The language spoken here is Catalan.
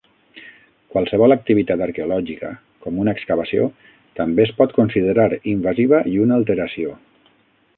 Qualsevol activitat arqueològica, com una excavació, també es pot considerar invasiva i una alteració.